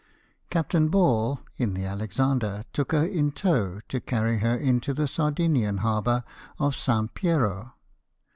Captain Ball, in the Alexander, took her in tow, to carry her into the Sardinian harbour of St. Pietro.